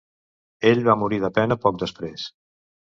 Ell va morir de pena poc després.